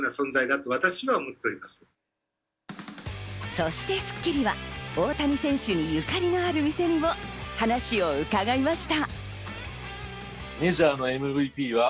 そして『スッキリ』は大谷選手にゆかりのある店にも話を伺いました。